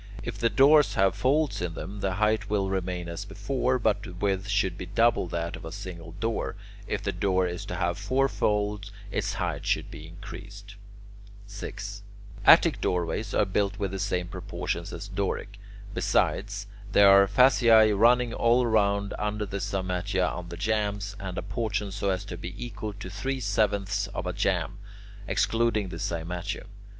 If the doors have folds in them, the height will remain as before, but the width should be double that of a single door; if the door is to have four folds, its height should be increased. [Illustration: VITRUVIUS' RULE FOR DOORWAYS COMPARED WITH TWO EXAMPLES] 6. Attic doorways are built with the same proportions as Doric. Besides, there are fasciae running all round under the cymatia on the jambs, and apportioned so as to be equal to three sevenths of a jamb, excluding the cymatium.